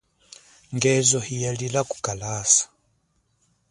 Ngezo hiya lila kukalasa.